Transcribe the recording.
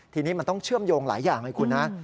ทีนี้มันต้องเชื่อมโยงหลายอย่างเลยคุณฮะ